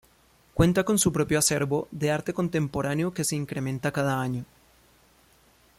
Cuenta con su propio acervo de arte contemporáneo que se incrementa cada año.